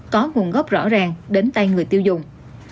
có nguồn gốc rõ ràng đến tay người tiêu dùng